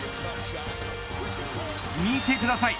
見てください。